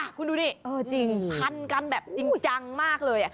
คุณดูดิเออจริงพันกันแบบจริงจังมากเลย